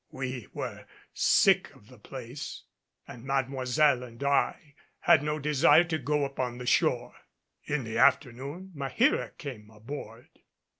We were sick of the place, and Mademoiselle and I had no desire to go upon the shore. In the afternoon Maheera came aboard.